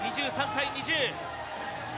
２３対２０。